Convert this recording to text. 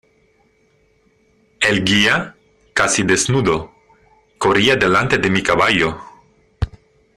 el guía, casi desnudo , corría delante de mi caballo.